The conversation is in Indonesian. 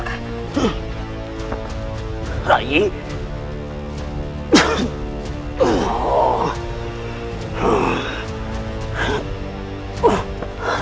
aku lumayan murah